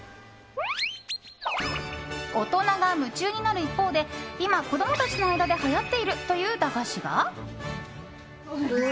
大人が夢中になる一方で今、子供たちの間ではやっているという駄菓子が。